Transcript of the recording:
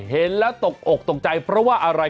เห็นแล้วตกอกตกใจเพราะว่าอะไร